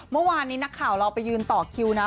เมื่อวานนี้นักข่าวเราไปยืนต่อคิวนะ